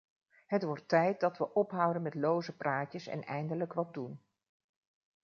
Het wordt tijd dat we ophouden met loze praatjes en eindelijk wat doen.